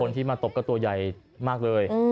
ที่มาตบก็ตัวใหญ่มากเลย